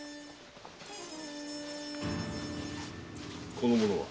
この者は？